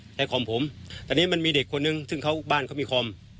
ใช้คอมผมแต่เนี่ยมันมีเด็กคนนึงบ้านเขามีคอม